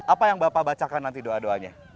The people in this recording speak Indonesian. apa yang bapak bacakan nanti doa doanya